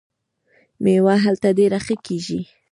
میوه هلته ډیره ښه کیږي.